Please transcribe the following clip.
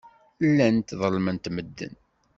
Llant ḍellment medden.